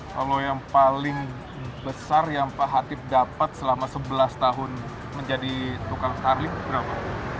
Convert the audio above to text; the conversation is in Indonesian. kalau yang paling besar yang pak hatip dapat selama sebelas tahun menjadi tukang starling berapa